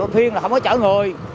thuyên là không có chở người